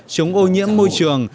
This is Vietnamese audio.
chống ô nhiễm môi trường